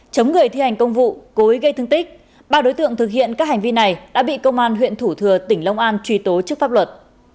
chống người thi hành công vụ cối gây thương tích ba đối tượng thực hiện các hành vi này đã bị công an huyện thủ thừa tỉnh long an truy tố trước pháp luật